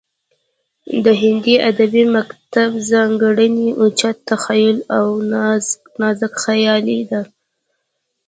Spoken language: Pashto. د هندي ادبي مکتب ځانګړنې اوچت تخیل او نازکخیالي ده